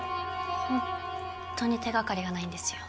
ホントに手掛かりがないんですよ。